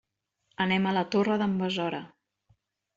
Anem a la Torre d'en Besora.